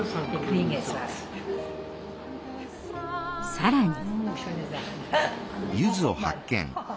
更に。